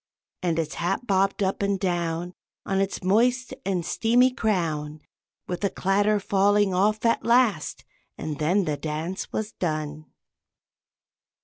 And its hat bobbed up and down On its moist and steamy crown, With a clatter falling off at last, and then the dance was done.